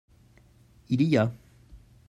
Il y a.